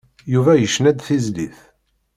Yuba yecna-d tizlit.